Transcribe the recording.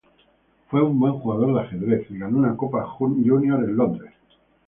Fue un buen jugador de ajedrez y ganó una copa junior en Londres.